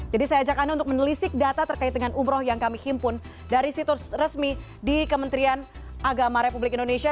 jadi saya ajak anda untuk menelisik data terkait dengan umroh yang kami himpun dari situs resmi di kementerian agama republik indonesia